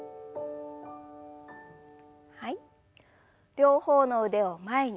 両方の腕を前に。